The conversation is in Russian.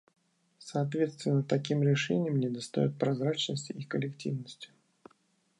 Соответственно, таким решениям недостает прозрачности и коллективности.